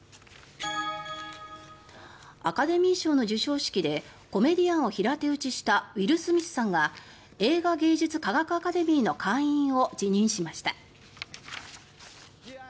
アカデミー賞の授賞式でコメディアンを平手打ちしたウィル・スミスさんが映画芸術科学アカデミーの会員を辞任しました。